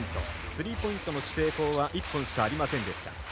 スリーポイントの成功は１本しかありませんでした。